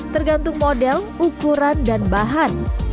tergantung model ukuran dan bahan